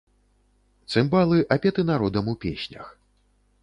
Цымбалы апеты народам у песнях.